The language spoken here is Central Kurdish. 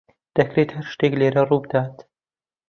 دەکرێت هەر شتێک لێرە ڕووبدات.